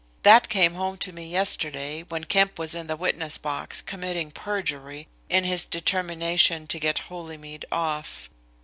That came home to me yesterday when Kemp was in the witness box committing perjury in his determination to get Holymead off.